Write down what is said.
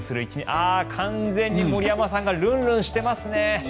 ああ、完全に森山さんがルンルンしてますね。